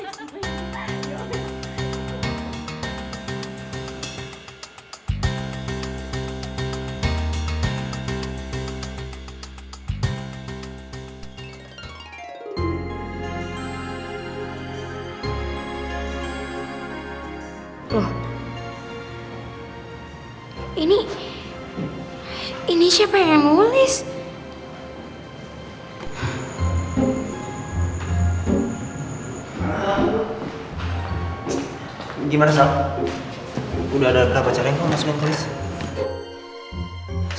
udah ada berapa acara yang kamu masukin ke list